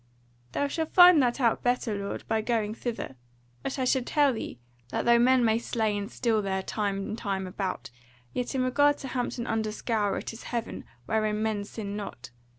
"Thou shalt find that out better, lord, by going thither; but I shall tell thee, that though men may slay and steal there time and time about, yet in regard to Hampton under Scaur, it is Heaven, wherein men sin not.